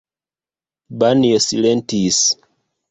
Banjo silentis.